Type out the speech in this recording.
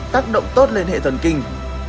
tác động tốt lên hệ thần kinh